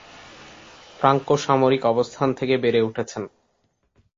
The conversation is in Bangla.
ফ্রাঙ্কো সামরিক অবস্থান থেকে বেড়ে উঠেছেন।